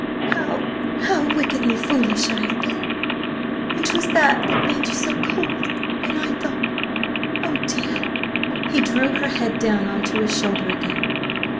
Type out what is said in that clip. How–how wickedly foolish I have been! And 'twas that that made you so cold–and I thought–oh, dear!" He drew her head down on to his shoulder again.